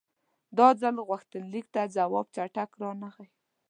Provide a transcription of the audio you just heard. دا ځل غوښتنلیک ته ځواب چټک رانغی.